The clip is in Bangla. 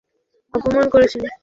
আমাদের যথেষ্ট অপমান করেছেন।